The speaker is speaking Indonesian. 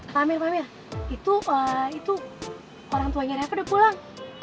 pamir pamir itu orang tuanya reva udah pulang